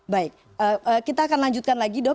baik kita akan lanjutkan lagi dok